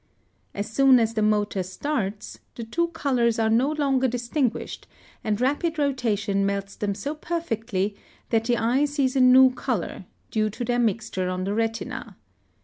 As soon as the motor starts, the two colors are no longer distinguished, and rapid rotation melts them so perfectly that the eye sees a new color, due to their mixture on the retina.